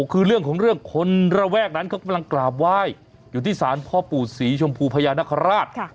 คือเรื่องของเรื่องคนระแวกนั้นเขากำลังกราบไหว้อยู่ที่สารพ่อปู่ศรีชมพูพญานคราช